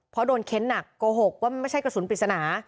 เพราะโดนเค้นหนักโกหกว่าไม่ใช่กระสุนปริศนา